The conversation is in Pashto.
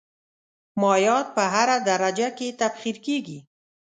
مایعات په هره درجه کې تبخیر کیږي.